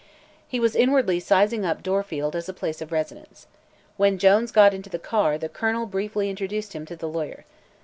He was inwardly sizing up Dorfield as a place of residence. When Jones got into the car the Colonel briefly introduced him to the lawyer.